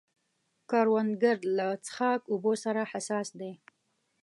کروندګر له څښاک اوبو سره حساس دی